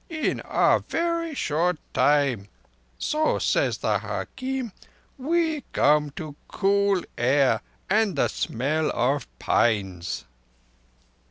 In a very short time—so says the hakim—we come to cool air and the smell of pines."